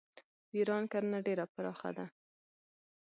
د ایران کرنه ډیره پراخه ده.